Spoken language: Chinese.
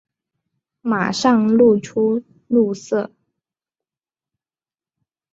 马上露出怒色